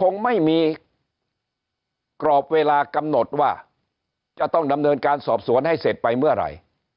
คงไม่มีกรอบเวลากำหนดว่าจะต้องดำเนินการสอบสวนให้เสร็จไปเมื่อไหร่